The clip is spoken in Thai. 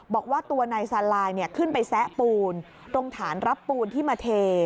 บอกว่าตัวนายซาลายขึ้นไปแซะปูนตรงฐานรับปูนที่มาเท